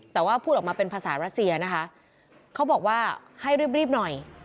แต่ว่าพูดออกมาเป็นภาษารัสเซียนะคะเขาบอกว่าให้รีบรีบหน่อย